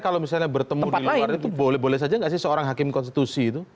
kalau misalnya bertemu di luar itu boleh boleh saja nggak sih seorang hakim konstitusi itu